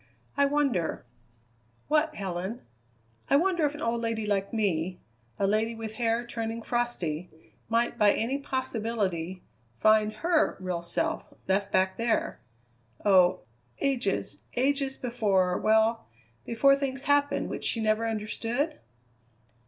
I wonder " "What, Helen?" "I wonder if an old lady like me, a lady with hair turning frosty, might, by any possibility, find her real self left back there oh! ages, ages before well, before things happened which she never understood?"